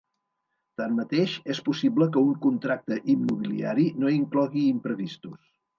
Tanmateix, és possible que un contracte immobiliari no inclogui imprevistos.